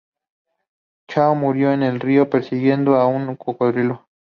Cão murió en el río persiguiendo a un cocodrilo.